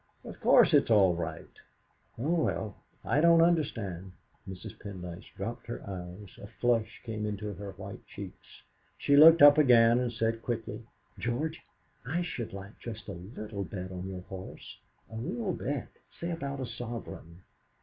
"Of course it's all right." "Oh, well, I don't understand." Mrs. Pendyce dropped her eyes, a flush came into her white cheeks; she looked up again and said quickly: "George, I should like just a little bet on your horse a real bet, say about a sovereign."